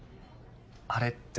あれって？